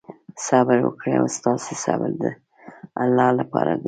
صبر وکړئ او ستاسې صبر د الله لپاره دی.